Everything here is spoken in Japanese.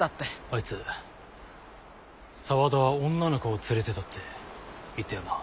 あいつ「沢田は女の子を連れてた」って言ったよな？